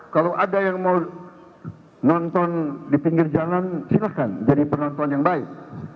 kalau ada yang mau nonton di pinggir jalan silahkan jadi penonton yang baik